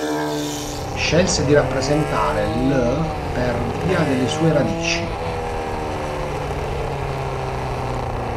Scelse di rappresentare l' per via delle sue radici.